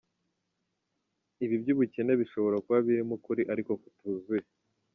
Ibi by’ubukene bishobora kuba birimo ukuri ariko kutuzuye.